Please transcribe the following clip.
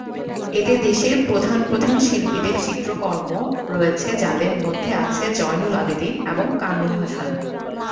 এতে দেশের প্রধান প্রধান শিল্পীদের চিত্রকর্ম রয়েছে যাদের মধ্যে আছে জয়নুল আবেদীন এবং কামরুল হাসান।